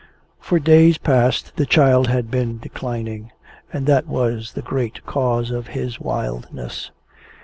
For days past the child had been declining, and that was the great cause of his wildness.